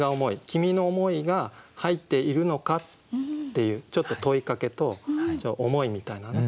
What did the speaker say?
君の思いが入っているのかっていうちょっと問いかけと思いみたいなね